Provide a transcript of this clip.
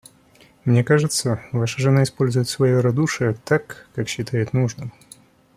А мне кажется, ваша жена использует свое радушие так, как считает нужным.